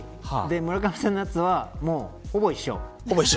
村上さんのやつは、ほぼ一緒。